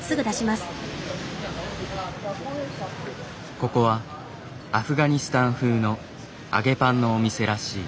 ここはアフガニスタン風の揚げパンのお店らしい。